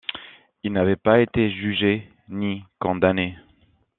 Il n'avait pas été jugé, ni condamné.